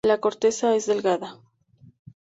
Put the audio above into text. La corteza es delgada.